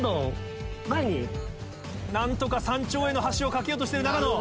何とか山頂への橋を架けようとしている長野。